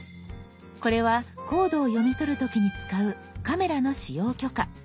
これはコードを読み取る時に使うカメラの使用許可。